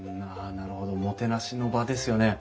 なるほどもてなしの場ですよね。